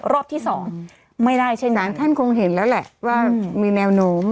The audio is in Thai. รอบที่สองไม่ได้เช่นนั้นท่านคงเห็นแล้วแหละว่ามีแนวโน้ม